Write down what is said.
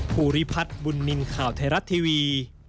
ภูริพัฒน์บุญนินทร์ข่าวไทยรัฐทีวี